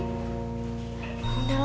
gila roman buka dulu